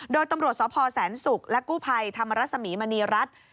โดยตำรวจสพแสนศุกร์และกู้ภัยธรรมรสมีมณีรัฐ